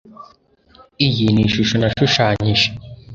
iyi ni ishusho nashushanyije